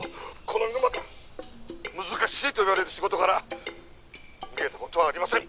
この猪俣難しいといわれる仕事から逃げたことはありません。